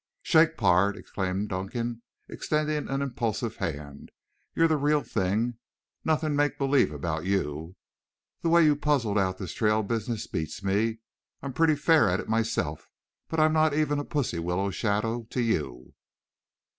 "Shake, pard," exclaimed Dunkan, extending an impulsive hand. "You're the real thing. Nothing make believe about you. The way you've puzzled out this trail business beats me. I'm pretty fair at it myself, but I'm not even a pussy willow shadow to you."